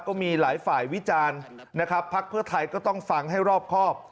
ก็มีหลายฝ่ายวิจารณ์นะครับพักเพื่อไทยก็ต้องฟังให้รอบครอบ